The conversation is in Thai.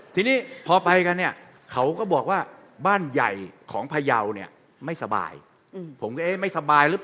ทีน็พอไปกันเนี่ยเขาก็บอกว่าบ้านใหญ่ของพายาวเนี่ยไม่สบาย